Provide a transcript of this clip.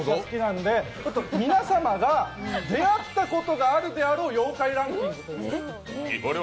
皆様が出会ったことがあるであろう妖怪ランキング